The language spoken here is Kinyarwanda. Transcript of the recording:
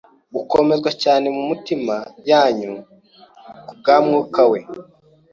gukomezwa cyane mu mitima yanyu ku bw'Umwuka we